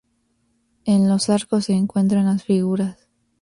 En los arcos se encuentran las figuras.